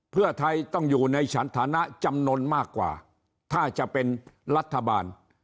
เพื่อไทยต้องอยู่ในสถานฐานะจำนวนมากกว่าถ้าจะเป็นรัฐบาล